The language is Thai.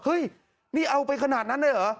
เฮ้ยนี่เอาไปขนาดนั้นเลยเหรอ